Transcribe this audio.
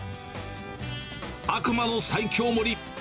悪魔の最凶盛り。